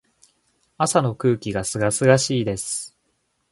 朝の空気が清々しいです。